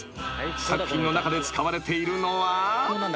［作品の中で使われているのは］